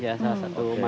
ya salah satu